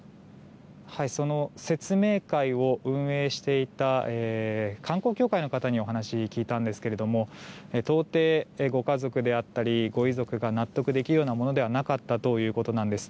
説明会を運営していた観光協会の方にお話を聞いたんですが到底、ご家族で会ったりご遺族が納得できるようなものではなかったということなんです。